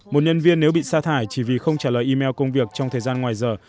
một nhân viên nếu bị xa thải chỉ vì không trả lời email công việc trong thời gian ngoài giờ